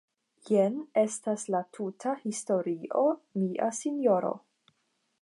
Jen estas la tuta historio, mia sinjoro.